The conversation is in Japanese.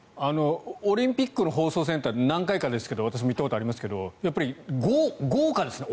オリンピックの放送センター何回かですけど私も行ったことがありますけどやっぱり豪華ですね。